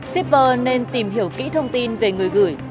shipper nên tìm hiểu kỹ thông tin về người gửi